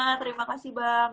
sama sama terima kasih bang